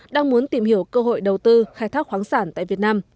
đang muốn tìm hiểu cơ hội đầu tư khai thác khoáng sản tại việt nam